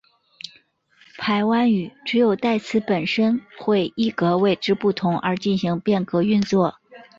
排湾语只有代词本身会依格位之不同而进行变格运作。